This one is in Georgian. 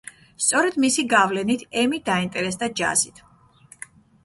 სწორედ მისი გავლენით ემი დაინტერესდა ჯაზით.